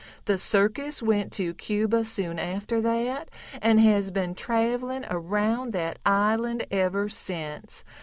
The circus went to Cuba soon after that, and has been traveling around that island ever since.